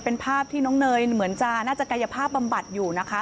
เป็นภาพที่น้องเนยเหมือนจะน่าจะกายภาพบำบัดอยู่นะคะ